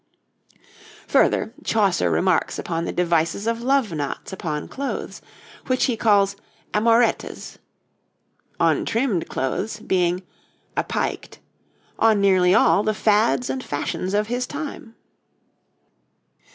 Further, Chaucer remarks upon the devices of love knots upon clothes, which he calls 'amorettes'; on trimmed clothes, as being 'apyked'; on nearly all the fads and fashions of his time.